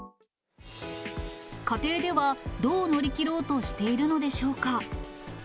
家庭ではどう乗り切ろうとしているのでしょうか。